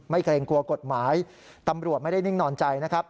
เกรงกลัวกฎหมายตำรวจไม่ได้นิ่งนอนใจนะครับ